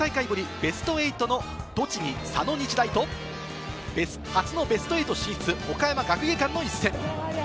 ベスト８の栃木・佐野日大と、初のベスト８進出を岡山学芸館の一戦。